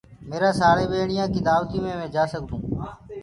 ميرآ ساݪیٻيڻيآن ڪي دآوتي مي مينٚ جآ سگھدونٚ۔